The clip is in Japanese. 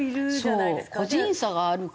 個人差があるから。